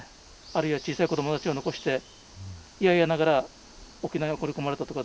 あるいは小さい子供たちを残していやいやながら沖縄に送り込まれたとかですね。